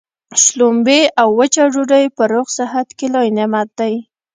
شلومبې او وچه ډوډۍ په روغ صحت کي لوی نعمت دی.